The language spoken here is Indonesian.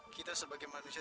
kita sebagai manusia